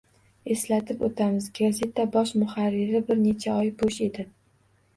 Eslatib o'tamiz, gazeta bosh muharriri bir necha oy bo'sh edi